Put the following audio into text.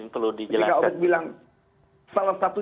ketika ubed bilang salah satu